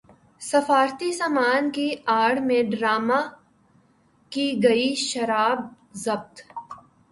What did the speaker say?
سفارتی سامان کی اڑ میں درامد کی گئی شراب ضبط